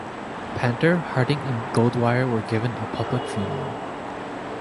Panter, Harding and Goldwyer were given a public funeral.